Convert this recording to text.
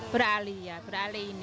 beralih ya beralih ini